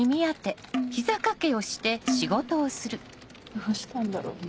どうしたんだろう？